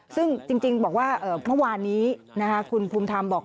ซึ่งจริงบอกว่าเมื่อวานนี้คุณภูมิธรรมบอก